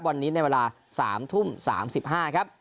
วันนี้ในเวลา๓ทุ่ม๓๕ครับ